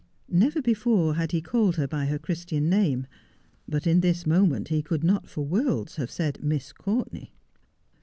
Never before had he called her by her Christian name, but in this moment he could not for worlds have said, ' Miss Courtenay.'